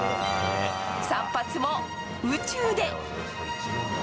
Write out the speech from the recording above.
散髪も宇宙で。